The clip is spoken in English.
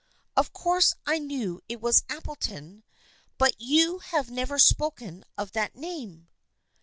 Of course I knew it was Appleton, but you have never spoken of that name."